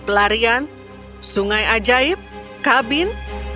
pelarian sungai ajaib kabin